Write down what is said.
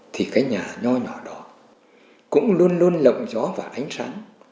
thì cái nhà nho nhỏ nhỏ đó cũng luôn luôn lộng gió và ánh sáng